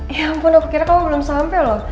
ya ampun aku kira kamu belum sampai loh